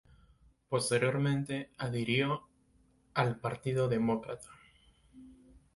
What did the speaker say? Posteriormente adhirió al Partido Demócrata.